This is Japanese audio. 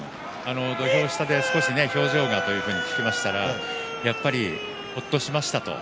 土俵下で少し表情がと聞きましたらやっぱり、ほっとしましたと。